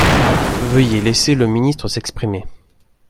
Veuillez laisser le ministre s’exprimer.